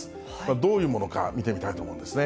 どういうものか見てみたいと思うんですね。